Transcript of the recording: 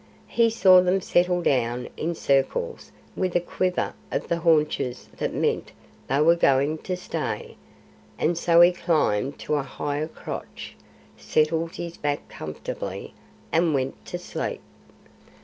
He saw them settle down in circles with a quiver of the haunches that meant they were going to stay, and so he climbed to a higher crotch, settled his back comfortably, and went to sleep.